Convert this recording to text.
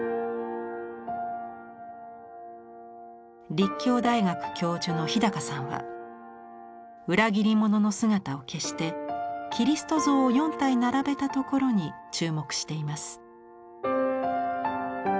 立教大学教授の日高さんは裏切り者の姿を消してキリスト像を４体並べたところに注目しています。